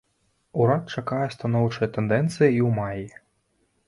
Урад чакае станоўчай тэндэнцыі і ў маі.